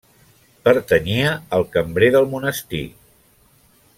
Pertanyia al cambrer del monestir.